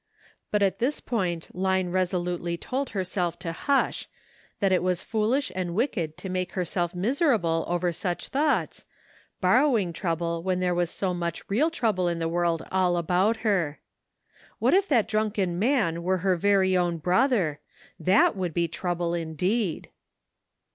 But at this point Line reso lutely told herself to hush, that it was foolish and wicked to make herself miserable over such thoughts, borrowing trouble when there was so much real trouble in the world all about her. What if that drunken man were her very own brother ! that would be trouble indeed.